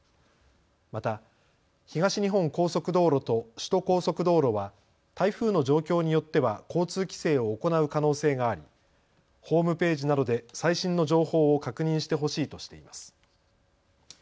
また東日本高速道路と首都高速道路は台風の状況によっては交通規制を行う可能性がありホームページなどで最新の情報を確認してほしいとしています。